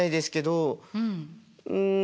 うん。